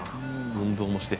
運動もして」